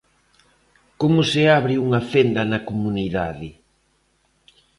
Como se abre unha fenda na comunidade?